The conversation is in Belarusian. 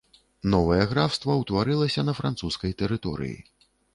Новае графства ўтварылася на французскай тэрыторыі.